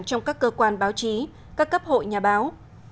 trong các cơ quan báo chí các cấp hội nhà báo